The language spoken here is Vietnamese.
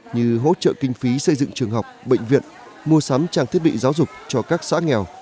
như hỗ trợ kinh phí xây dựng trường học bệnh viện mua sắm trang thiết bị giáo dục cho các xã nghèo